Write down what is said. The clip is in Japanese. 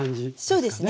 そうですね。